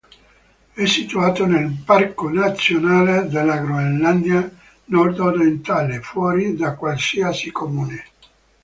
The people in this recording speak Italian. È situato nel Parco nazionale della Groenlandia nordorientale, fuori da qualsiasi comune.